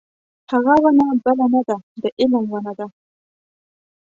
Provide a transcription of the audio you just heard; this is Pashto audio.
هغه ونه بله نه ده د علم ونه ده.